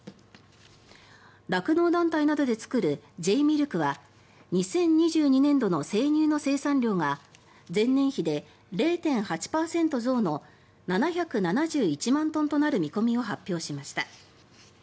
酪農団体などで作るＪミルクは２０２２年度の生乳の生産量が前年比で０．８％増の７７１万トンとなる見込みを発表しました。